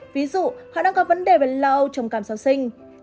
ví dụ họ đang có vấn đề về lão trồng cảm sau sinh